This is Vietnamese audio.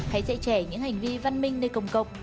hãy dạy trẻ những hành vi văn minh nơi công cộng